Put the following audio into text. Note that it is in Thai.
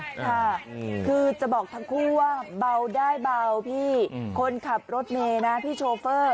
ค่ะคือจะบอกทั้งคู่ว่าเบาได้เบาพี่คนขับรถเมย์นะพี่โชเฟอร์